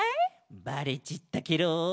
バレちったケロ。